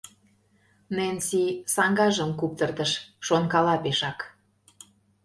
Ненси саҥгажым куптыртыш, шонкала пешак.